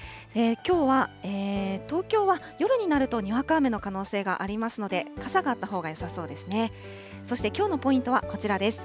きょうは東京は夜になるとにわか雨の可能性がありますので、傘があったほうがよさそうですね。